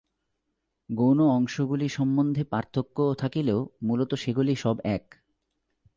গৌণ অংশগুলি সম্বন্ধে পার্থক্য থাকিলেও মূলত সেগুলি সব এক।